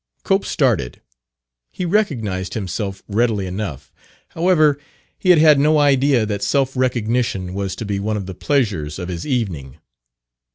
Cope started. He recognized himself readily enough. However, he had had no idea that self recognition was to be one of the pleasures of his evening.